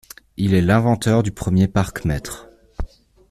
Il est l'inventeur du premier parcmètre.